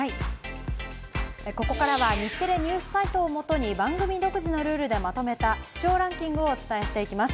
ここからは日テレＮＥＷＳサイトを元に番組独自のルールでまとめた視聴ランキングをお伝えしていきます。